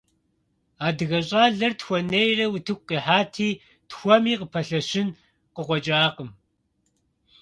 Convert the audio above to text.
Адыгэ щӀалэр тхуэнейрэ утыку къихьати, тхуэми къыпэлъэщын къыкъуэкӀакъым.